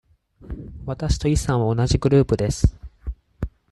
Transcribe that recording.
わたしとイさんは同じグループです。